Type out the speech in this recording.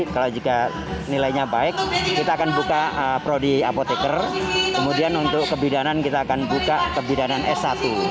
kalau jika nilainya baik kita akan buka prodi apoteker kemudian untuk kebidanan kita akan buka kebidanan s satu